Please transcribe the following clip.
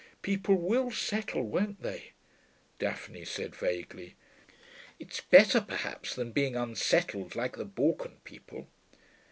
'People will settle, won't they,' Daphne said vaguely. 'It's better perhaps than being unsettled, like the Balkan people.'